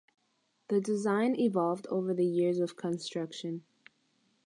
The design evolved over the years of construction.